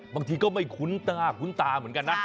บางทีก็ไม่คุ้นตาคุ้นตาเหมือนกันนะ